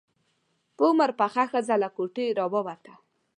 په عمر پخه ښځه له کوټې راووته.